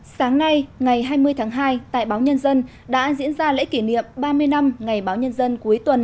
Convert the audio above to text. sáng nay ngày hai mươi tháng hai tại báo nhân dân đã diễn ra lễ kỷ niệm ba mươi năm ngày báo nhân dân cuối tuần